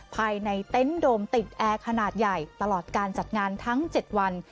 ภายในเต็นต์โดมติดแอร์ขนาดใหญ่ตลอดการจัดงานทั้ง๗วัน